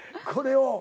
これを。